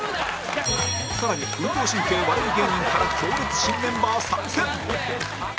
さらに運動神経悪い芸人から強烈新メンバー参戦！